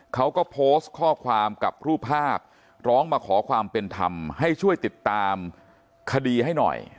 เขาก็โพสต์ข้อความกับรูปภาพร้องมาขอความเป็นธรรมให้ช่วยติดตามคดีให้หน่อย